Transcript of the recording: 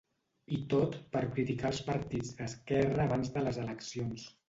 I tot per criticar els partits d’esquerra abans de les eleccions.